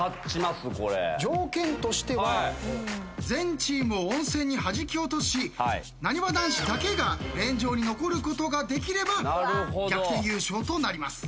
条件としては全チームを温泉にはじき落としなにわ男子だけがレーン上に残ることができれば逆転優勝となります。